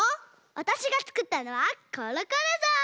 わたしがつくったのはコロコロぞう！